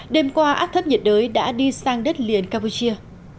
đêm qua áp thấp nhiệt đới đã đi sang đất liền campuchia